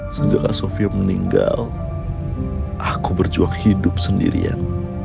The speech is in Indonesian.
sejak asofio meninggal aku berjuang hidup sendirian